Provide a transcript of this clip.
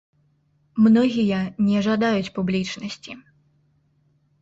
Многія не жадаюць публічнасці.